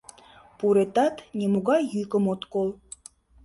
— Пуретат, нимогай йӱкым от кол.